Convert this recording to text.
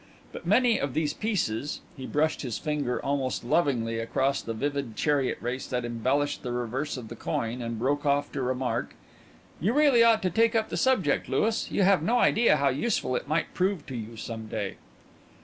But many of these pieces " He brushed his finger almost lovingly across the vivid chariot race that embellished the reverse of the coin, and broke off to remark: "You really ought to take up the subject, Louis. You have no idea how useful it might prove to you some day."